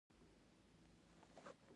پر ټولې دولتي بیروکراسۍ او اقتصاد مسلط دی.